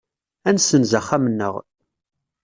Ad nessenz axxam-nneɣ.